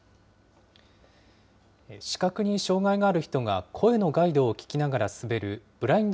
視覚に障害のある人が声のガイドを聞きながら滑るブラインド